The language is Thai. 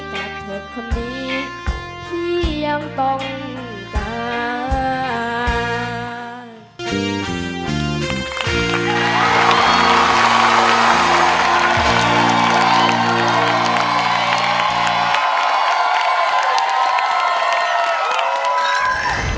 กับเธอคนดีพี่ยังต้องการ